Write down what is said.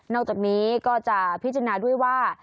จากนี้ก็จะพิจารณาด้วยว่า